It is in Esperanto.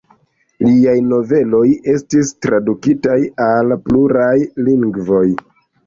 Liaj noveloj estis tradukitaj al pluraj lingvoj.